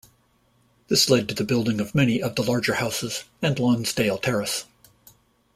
This led to the building of many of the larger houses and Lonsdale Terrace.